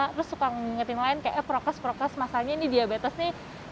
terus suka ngingetin lain kayak prokes prokes masanya ini diabetes nih